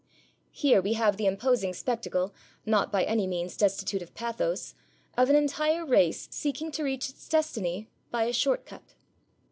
"' Here we have the imposing spectacle, not by any means destitute of pathos, of an entire race seeking to reach its destiny by a short cut.